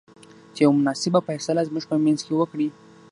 چې يوه مناسبه فيصله زموږ په منځ کې وکړۍ.